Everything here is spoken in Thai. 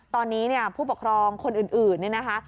ตอนนี้ผู้ปกครองคนอื่นนี่นะคะ